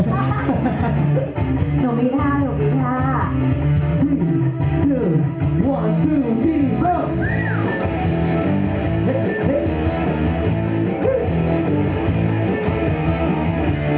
หยุดมีท่าหยุดมีท่า